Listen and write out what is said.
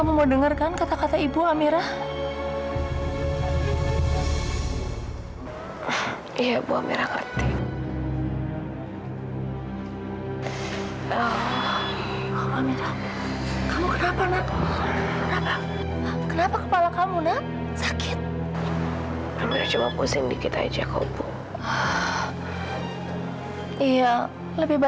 doa dari ayah